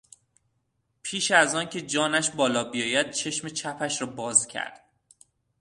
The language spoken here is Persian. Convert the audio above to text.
پیش از آن که جانش بالا بیاید چشم چپش را باز کرد.